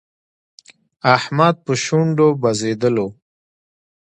احمد په شونډو بزېدلو.